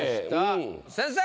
先生！